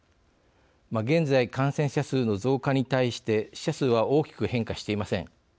現在、感染者数の増加に対して死者数は大きく変化していません。